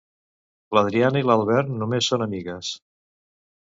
L'Adriana i l'Albert només són amigues.